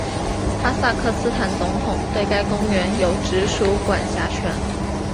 哈萨克斯坦总统对该公园有直属管辖权。